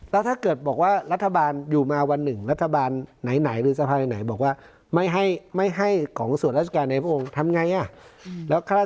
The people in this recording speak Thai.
แล้วถ้าเกิดบอกว่ารัฐบาลอยู่มาวันหนึ่งรัฐบาลไหนหรือสภาไหนบอกว่าไม่ให้ของส่วนราชการในพระองค์ทำไง